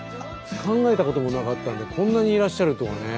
考えたこともなかったんでこんなにいらっしゃるとはね。